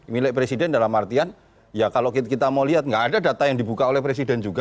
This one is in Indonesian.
milik presiden dalam artian ya kalau kita mau lihat nggak ada data yang dibuka oleh presiden juga